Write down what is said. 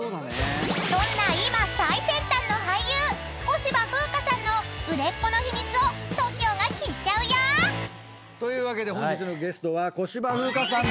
［そんな今最先端の俳優小芝風花さんの売れっ子の秘密をＴＯＫＩＯが聞いちゃうよ！］というわけで本日のゲストは小芝風花さん